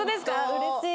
うれしい。